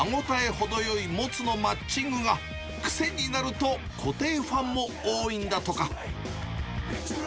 ほどよいもつのマッチングが癖になると、固定ファンも多いんだとか。